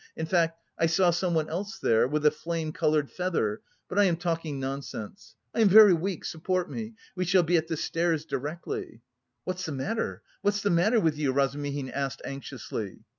in fact I saw someone else there... with a flame coloured feather... but I am talking nonsense; I am very weak, support me... we shall be at the stairs directly..." "What's the matter? What's the matter with you?" Razumihin asked anxiously.